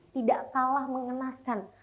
tidak kalah mengenaskan